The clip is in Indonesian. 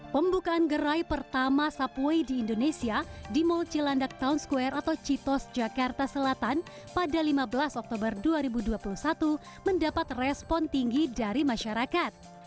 pembukaan gerai pertama subway di indonesia di mall cilandak town square atau citos jakarta selatan pada lima belas oktober dua ribu dua puluh satu mendapat respon tinggi dari masyarakat